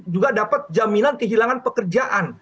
juga dapat jaminan kehilangan pekerjaan